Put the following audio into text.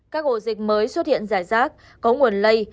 các ổ dịch mới xuất hiện rải rác có nguồn lây